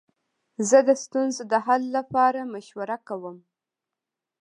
زه د ستونزو د حل لپاره مشوره کوم.